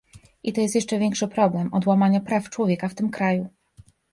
I jest to jeszcze większy problem od łamania praw człowieka w tym kraju